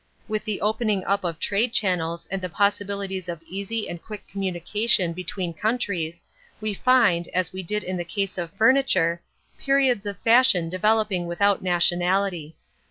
With the opening up of trade channels and the possibilities of easy and quick communication between countries we find, as we did in the case of furniture, periods of fashion developing without nationality.